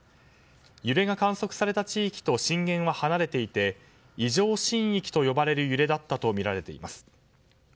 揺れが観測された地域と震源は離れていて異常震域と呼ばれる揺れだったとみられています。